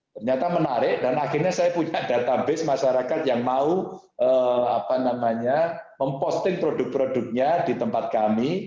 ternyata menarik dan akhirnya saya punya database masyarakat yang mau memposting produk produknya di tempat kami